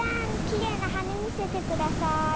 きれいなはねみせてください。